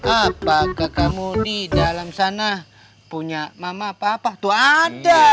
apakah kamu di dalam sana punya mama apa apa tuh ada